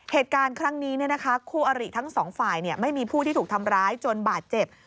เหตุการณ์ครั้งนี้คู่อริทั้งสองฝ่ายไม่มีผู้ที่ถูกทำร้ายจนบาดเจ็บ